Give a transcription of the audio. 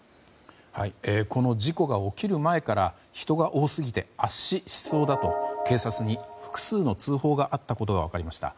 この事故が起きる前から人が多すぎて圧死しそうだと警察に複数の通報があったことが分かりました。